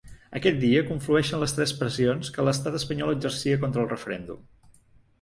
Aquell dia, conflueixen les tres pressions que l’estat espanyol exercia contra el referèndum.